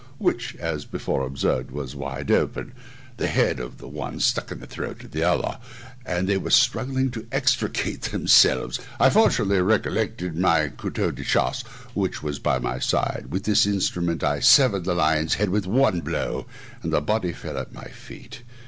which, as before observed, was wide open; the head of the one stuck in the throat of the other! and they were struggling to extricate themselves! I fortunately recollected my couteau de chasse, which was by my side; with this instrument I severed the lion's head at one blow, and the body fell at my feet!